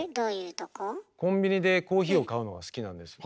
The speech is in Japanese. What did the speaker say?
コンビニでコーヒーを買うのが好きなんです。